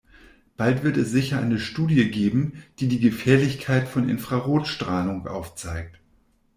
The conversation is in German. Bald wird es sicher eine Studie geben, die die Gefährlichkeit von Infrarotstrahlung aufzeigt.